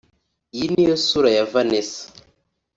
Iyi niyo sura ya Vanessa